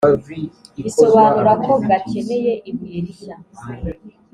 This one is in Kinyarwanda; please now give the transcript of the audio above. bisobunura ko gakeneye ibuye rishya